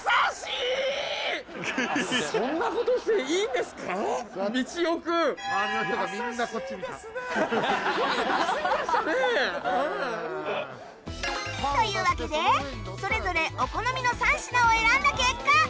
というわけでそれぞれお好みの３品を選んだ結果